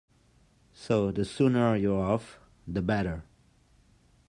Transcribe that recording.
So the sooner you're off, the better.